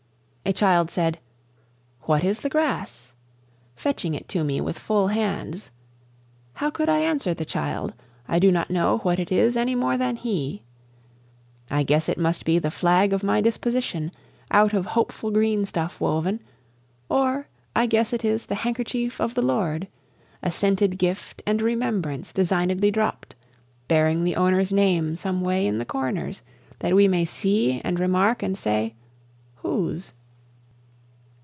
A child said, "What is the grass?" fetching it to me with full hands; How could I answer the child? I do not know what it is any more than he. I guess it must be the flag of my disposition, out of hopeful green stuff woven. Or, I guess it is the handkerchief of the Lord, A scented gift and remembrance designedly dropt, Bearing the owner's name some way in the corners, that we may see and remark, and say, "_Whose?